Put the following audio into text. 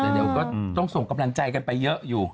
เดี๋ยวก็ต้องส่งกำลังใจกันไปเยอะอยู่